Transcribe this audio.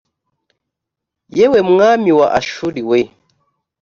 yewe mwami wa ashuri we